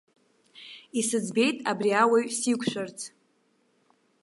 Исыӡбеит абри ауаҩ сиқәшәарц.